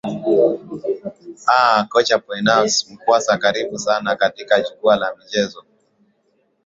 aa kocha bonifas mkwasa karibu sana katika jukwaa la michezo